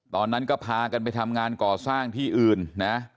ตอนนั้นก็พากันไปทำงานก่อสร้างที่อื่นนะ